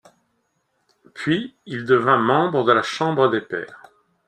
Puis, il devint membre de la Chambre des pairs.